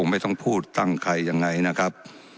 ไม่ต้องพูดตั้งใครยังไงนะครับ